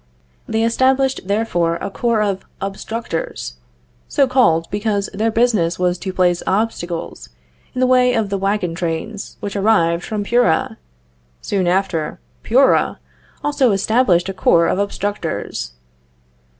They established therefore a corps of Obstructors, so called because their business was to place obstacles in the way of the wagon trains which arrived from Puera. Soon after, Puera also established a corps of Obstructors.